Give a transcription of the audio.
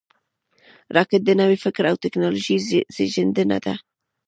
راکټ د نوي فکر او ټېکنالوژۍ زیږنده ده